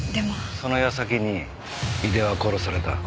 その矢先に井出は殺された。